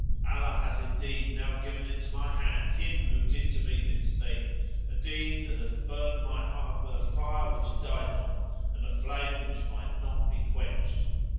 Allah hath indeed now given into my hand him who did to me this thing, a deed that hath burned my heart with a fire which died not and a flame which might not be quenched!